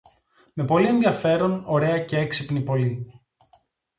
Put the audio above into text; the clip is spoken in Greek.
με πολύ ενδιαφέρον, ωραία και έξυπνη πολύ,